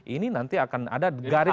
ini nanti akan ada garis